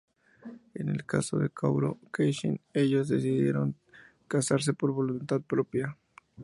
En el caso de Kaoru y Kenshin, ellos decidieron casarse por voluntad propia.